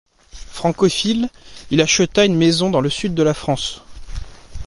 Francophile, il acheta une maison dans le sud de la France.